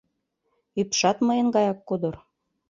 Ӱпшат мыйын гаяк кудыр.